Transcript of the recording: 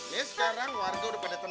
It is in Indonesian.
ya sekarang warga udah pada